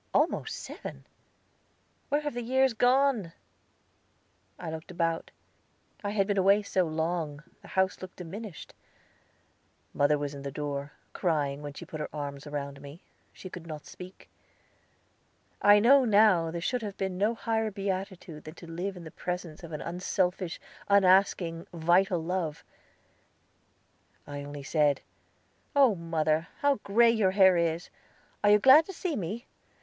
"Almost seven? Where have the years gone?" I looked about. I had been away so long, the house looked diminished. Mother was in the door, crying when she put her arms round me; she could not speak. I know now there should have been no higher beatitude than to live in the presence of an unselfish, unasking, vital love. I only said, "Oh, mother, how gray your hair is! Are you glad to see me?